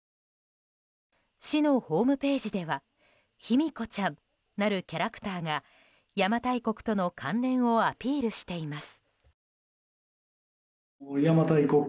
市のホームページではひみこちゃんなるキャラクターが邪馬台国との関連をアピールしています。